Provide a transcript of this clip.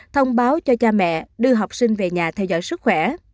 thông báo cho cha mẹ đưa học sinh về nhà theo dõi sức khỏe